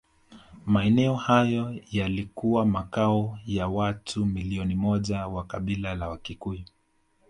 Maeneo hayo yalikuwa makao ya watu milioni moja wa kabila la Wakikuyu